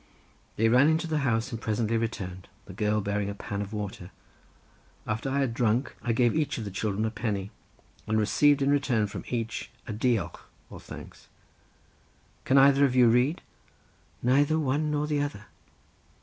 They ran into the house and presently returned, the girl bearing a pan of water. After I had drunk I gave each of the children a penny, and received in return from each a diolch or thanks. "Can either of you read?" "Neither one nor the other."